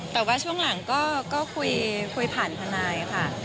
แต่ว่าช่วงหลังก็คุยผ่านทนายค่ะ